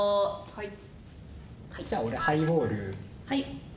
はい。